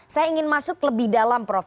saya ingin masuk lebih dalam prof